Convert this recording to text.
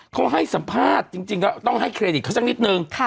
เขาให้สัมภาษณ์จริงก็ต้องให้เครดิตเขาสักนิดนึง